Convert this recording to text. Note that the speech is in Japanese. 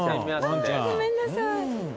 ごめんなさい。